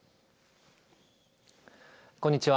こんにちは。